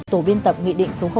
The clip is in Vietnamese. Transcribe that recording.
tổ viên tập nghị định số ba